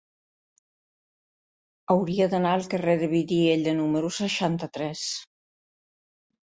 Hauria d'anar al carrer de Vidiella número seixanta-tres.